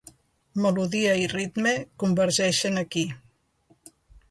Melodia i ritme convergeixen aquí.